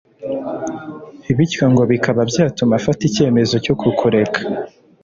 bityo ngo bikaba byatuma afata icyemezo cyo kukureka